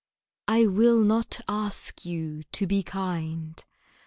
I will not ask you to be kind.